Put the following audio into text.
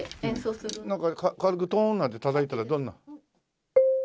軽くトーンなんてたたいたらどんな。